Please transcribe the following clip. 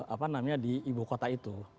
apa namanya di ibu kota itu